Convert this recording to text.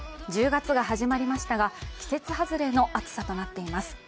１０月が始まりましたが、季節外れの暑さとなっています。